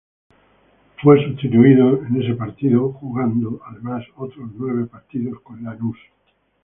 Fue sustituido en ese partido, jugando, además, otros nueve partidos con Lanús.